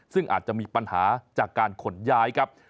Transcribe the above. ซึ่งอาจจะมีปัญหาจากการขนย้ายครับ